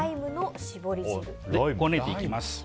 こねていきます。